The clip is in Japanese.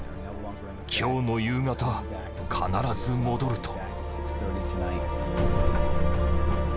「今日の夕方必ず戻る」と。